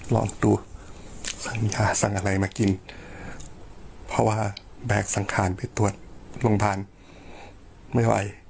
ลองดูสั่งยาสั่งอะไรมากินเพราะว่าแบกสังขารไปตรวจโรงพยาบาลไม่ไหว